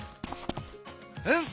うん。